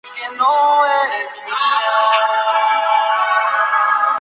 Su consigna era: "obreros, campesinos y soldados a luchar por el socialismo".